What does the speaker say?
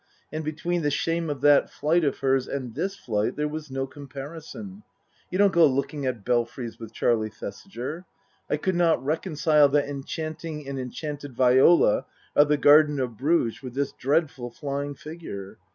And between the shame of that flight of hers and this flight there was no comparison. You don't go looking at belfries with Charlie Thesiger. I could not reconcile that enchanting and enchanted Viola of the garden of Bruges with this dreadful flying figure.